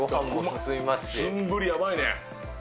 ツムブリやばいね。